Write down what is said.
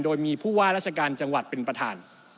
โดยมีผู้ว่าราชการจังหวัดเป็นประธาน